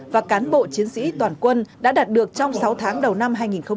và cán bộ chiến sĩ toàn quân đã đạt được trong sáu tháng đầu năm hai nghìn hai mươi